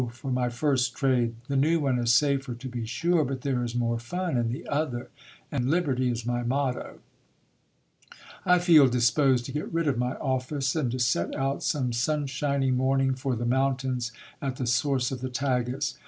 for my first trade! The new one i<= safer, to be 82 GIL BLAS. sure; but there is more fun in the other, and liberty is my motto. I feel disposed to get rid of my office, and to set out some sunshiny morning for the mountains at the source of the Tagus.